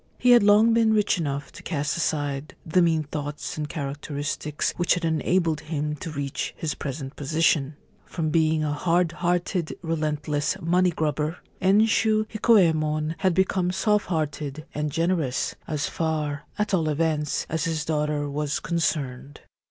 He had long been rich enough to cast aside the mean thoughts and characteristics which had enabled him to reach his present position. From being a hard hearted relentless money grubber, Enshu Hikoyemon had become soft hearted and generous — as far, at all events, as his daughter was concerned.